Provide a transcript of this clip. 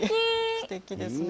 すてきですね。